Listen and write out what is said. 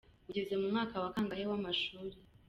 Ugeze mumwaka wakangahe wamashuri?